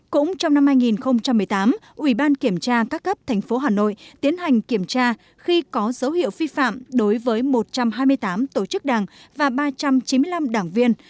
cũng trong năm hai nghìn một mươi tám ubnd tp hà nội tiến hành kiểm tra khi có dấu hiệu vi phạm đối với một trăm hai mươi tám tổ chức đảng và ba trăm chín mươi năm đảng viên